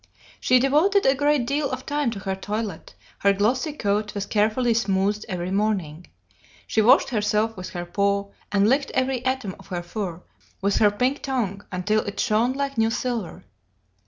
She devoted a great deal of time to her toilet, her glossy coat was carefully smoothed every morning. She washed herself with her paw, and licked every atom of her fur with her pink tongue until it shone like new silver.